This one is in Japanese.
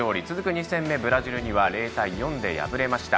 ２戦目、ブラジルには４対０で敗れました。